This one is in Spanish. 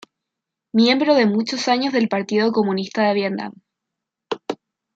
Miembro de muchos años del Partido Comunista de Vietnam.